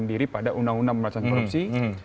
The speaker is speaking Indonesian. diri pada undang undang pemerintahan korupsi